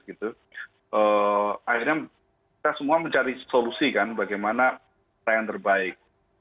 akhirnya kita semua mencari solusi kan bagaimana cara yang terbaik